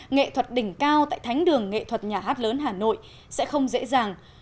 nghệ thuật đỉnh cao tại thánh đường nghệ thuật nhà hát lớn hà nội sẽ không dễ dàng